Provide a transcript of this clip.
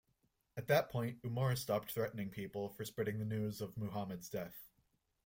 At that point, Umar stopped threatening people for spreading the news of Muhammad's death.